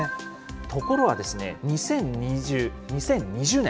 ところがですね、２０２０年。